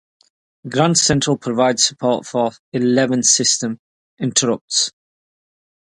Grand Central provides support for eleven system interrupts.